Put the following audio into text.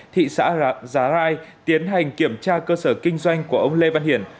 thị xã giá rai tiến hành kiểm tra cơ sở kinh doanh của ông lê văn hiển